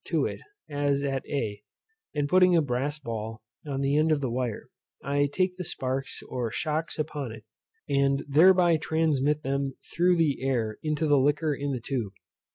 to it, as at a, and putting a brass ball on the end of the wire, I take the sparks or shocks upon it, and thereby transmit them through the air to the liquor in the tube.